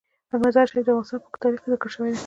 مزارشریف د افغانستان په اوږده تاریخ کې ذکر شوی دی.